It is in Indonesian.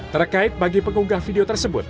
terkait bagi pengunggah video tersebut